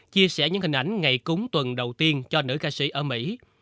chia sẻ những hình ảnh ngày cúng tuần đầu tiên cho nữ ca sĩ ở mỹ